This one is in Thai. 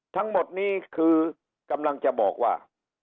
ทั้งหมดนี้คือกำลังจะบอกว่า